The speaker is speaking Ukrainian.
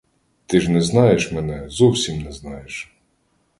Ти ж не знаєш мене, зовсім не знаєш.